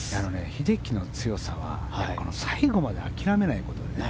英樹の強さは最後まで諦めないことだよね。